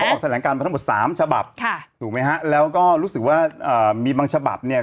เขาออกแถลงการมาทั้งหมด๓ฉบับถูกมั้ยฮะแล้วก็รู้สึกว่ามีบางฉบับเนี่ย